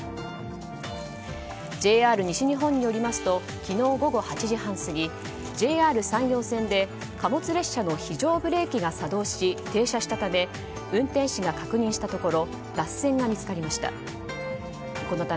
ＪＲ西日本によりますと昨日午後８時半過ぎＪＲ山陽線で貨物列車の非常ブレーキが作動し停車したため運転士が確認したところ脱線が見つかりました。